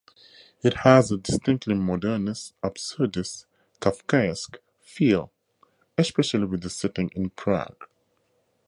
It has a distinctly Modernist, Absurdist, Kafkaesque feel, especially with the setting in Prague.